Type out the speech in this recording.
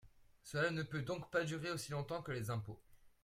Cela ne peut donc pas durer aussi longtemps que les impôts.